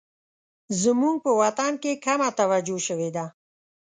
زموږ په وطن کې کمه توجه شوې ده